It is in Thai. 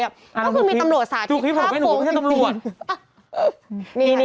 ก็คือมีตำรวจสาธิศภาพปงจริง